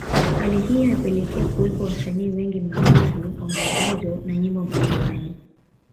Hali hii imepelekea kuwepo wasanii wengi maarufu wa maigizo na nyimbo mbalimbali